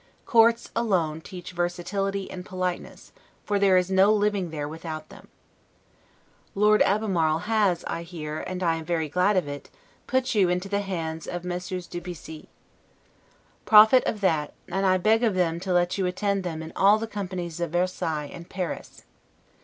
Courts, alone, teach versatility and politeness; for there is no living there without them. Lord Albermarle has, I hear, and am very glad of it, put you into the hands of Messieurs de Bissy. Profit of that, and beg of them to let you attend them in all the companies of Versailles and Paris.